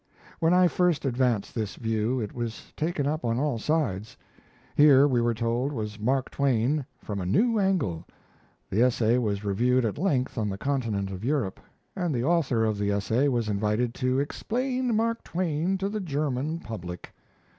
When I first advanced this view, it was taken up on all sides. Here, we were told, was Mark Twain "from a new angle"; the essay was reviewed at length on the continent of Europe; and the author of the essay was invited "to explain Mark Twain to the German public"!